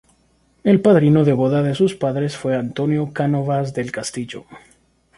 El padrino de boda de sus padres fue Antonio Cánovas del Castillo.